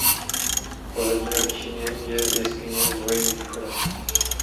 V pozadí na výšině je jeskyně s dvojím vchodem.